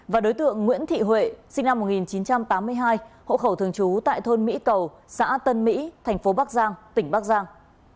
và đối tượng nguyễn thị huệ sinh năm một nghìn chín trăm tám mươi hai hộ khẩu thường trú tại thôn mỹ cầu xã tân mỹ thành phố bắc giang tỉnh bắc giang